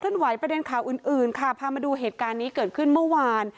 ไหวประเด็นข่าวอื่นอื่นค่ะพามาดูเหตุการณ์นี้เกิดขึ้นเมื่อวาน